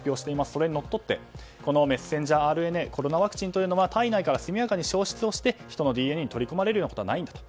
それにのっとってこのメッセンジャーＲＮＡコロナワクチンというのは体内から速やかに消失して人のＤＮＡに取り込まれるようなことはないんだと。